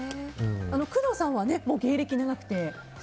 工藤さんは芸歴が長くて。